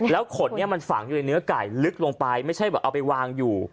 ขนเนี่ยมันฝังอยู่ในเนื้อไก่ลึกลงไปไม่ใช่แบบเอาไปวางอยู่